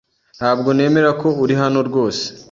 Ntabwo nemera ko uri hano rwose.